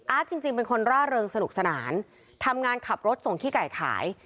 จริงเป็นคนร่าเริงสนุกสนานทำงานขับรถส่งขี้ไก่ขาย